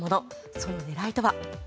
その狙いとは。